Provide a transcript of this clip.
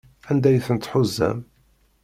Anda ay ten-tḥuzam?